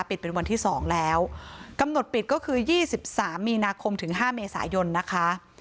เป็นวันที่สองแล้วกำหนดปิดก็คือยี่สิบสามมีนาคมถึงห้าเมษายนนะคะ